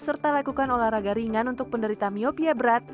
serta lakukan olahraga ringan untuk penderita miopia berat